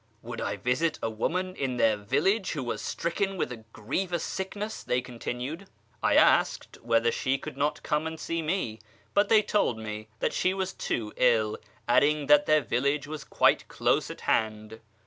Would I visit a woman in their village who was stricken with a grievous sickness ?" they continued. I asked whether she could not come and see me, but they told me that she was too ill, adding that their village was C|uite close at hand.